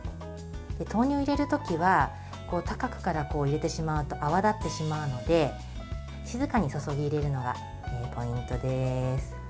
豆乳を入れるときは高くから入れてしまうと泡立ってしまうので静かに注ぎ入れるのがポイントです。